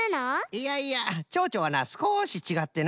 いやいやチョウチョはなすこしちがってな